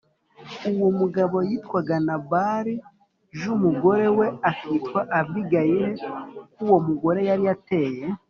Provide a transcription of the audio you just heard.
Uwo mugabo yitwaga Nabali j umugore we akitwa Abigayili k Uwo mugore yari ateye